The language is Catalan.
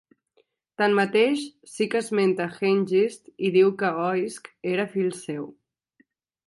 Tanmateix, sí que esmenta Hengist i diu que Oisc era fill seu.